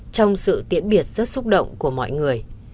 trong sự tiễn biệt rất xúc động của mọi người